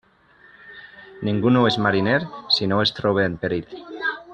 Ningú no és mariner si no es troba en perill.